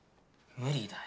無理だよ。